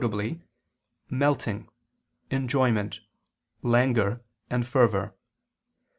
melting, enjoyment, languor, and fervor.